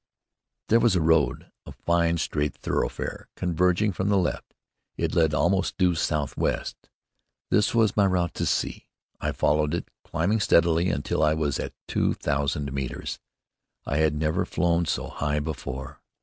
There was a road, a fine straight thoroughfare converging from the left. It led almost due southwest. This was my route to C . I followed it, climbing steadily until I was at two thousand metres. I had never flown so high before.